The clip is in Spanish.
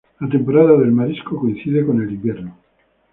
La temporada del marisco coincide con el invierno.